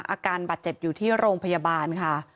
อาการบาดเจ็บอยู่ที่โรงพยาบาลค่ะ